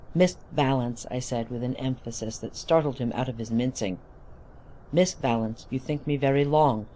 "Miss Valence!" I said, with an emphasis that startled him out of his mincing. "Miss Valence, you think me very long.